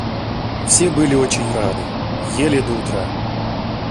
Все были очень рады, ели до утра.